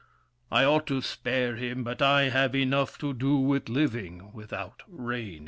I ought to spare him, but I have enough To do with living, without reigning!